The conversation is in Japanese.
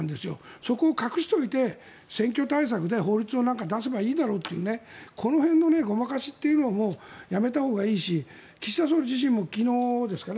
そこを隠しておいて選挙対策で法律を出せばいいだろうというこの辺のごまかしというのもやめたほうがいいし岸田総理自身も昨日ですかね